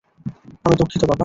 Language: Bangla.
আমি দুঃখিত, বাবা।